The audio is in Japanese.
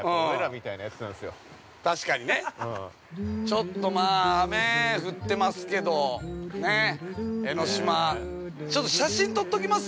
ちょっと雨降ってますけど江の島ちょっと写真撮っときます？